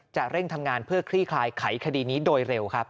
เร่งทำงานเพื่อคลี่คลายไขคดีนี้โดยเร็วครับ